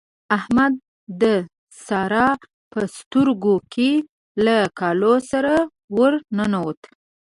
احمد د سارا په سترګو کې له کالو سره ور ننوت.